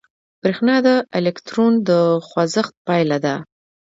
برېښنا د الکترون د خوځښت پایله ده.